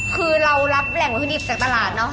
คือเรารับแหล่งวิทยุธิศักดิ์ตลาดเนาะ